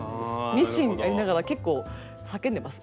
ミシンやりながら結構叫んでます。